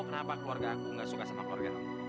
kenapa keluarga aku gak suka sama keluarga